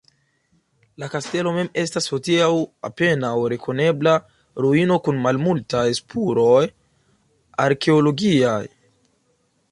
La kastelo mem estas hodiaŭ apenaŭ rekonebla ruino kun malmultaj spuroj arkeologiaj.